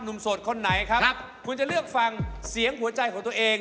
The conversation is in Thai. โสดคนไหนครับคุณจะเลือกฟังเสียงหัวใจของตัวเอง